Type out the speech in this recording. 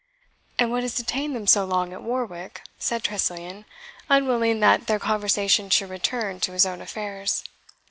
"And what has detained them so long at Warwick?" said Tressilian, unwilling that their conversation should return to his own affairs.